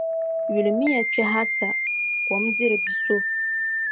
Yulimiya kpɛha sa, kom diri biʼ so.